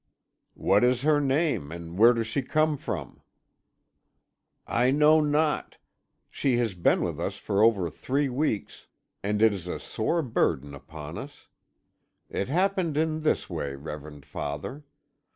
"What is her name, and where does she come from?" "I know not. She has been with us for over three weeks, and it is a sore burden upon us. It happened in this way, reverend father.